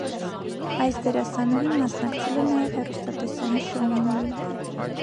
Այս դերասանուհին մասնակցել է նաև հեռուստատեսային շոուների։